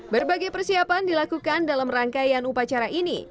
berbagai persiapan dilakukan dalam rangkaian upacara ini